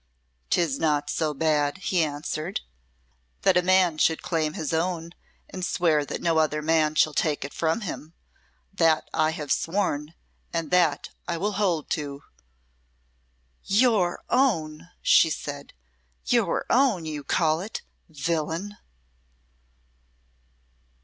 "'Tis not so bad," he answered, "that a man should claim his own, and swear that no other man shall take it from him. That I have sworn, and that I will hold to." "Your own!" she said "your own you call it villain!"